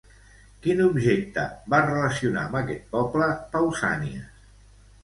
Quin objecte va relacionar amb aquest poble, Pausànias?